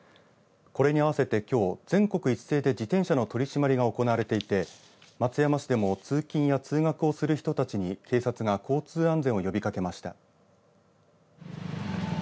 これに合わせてきょう全国一斉で自転車の取締りが行われていて松山市でも通勤や通学をする人たちに警察が交通安全を呼びかけました。